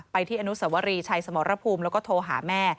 ที่อนุสวรีชัยสมรภูมิแล้วก็โทรหาแม่